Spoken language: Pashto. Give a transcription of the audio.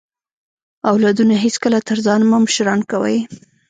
اولادونه هیڅکله تر ځان مه مشران کوئ